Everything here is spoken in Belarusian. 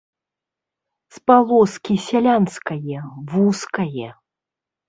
З палоскі сялянскае, вузкае.